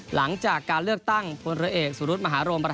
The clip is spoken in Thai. หลังจากการเลือกตั้งพลเรือเอกสุรุธมหาโรม